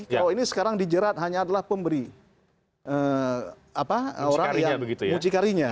kalau ini sekarang dijerat hanya adalah pemberi orang yang mucikarinya